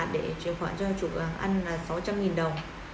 để chuyển khoản cho chủ hàng ăn là sáu trăm linh đồng